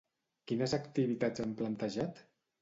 Quines activitats han plantejat?